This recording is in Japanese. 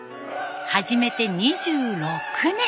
始めて２６年。